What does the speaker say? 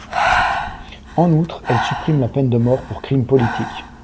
En outre, elle supprime la peine de mort pour crimes politiques.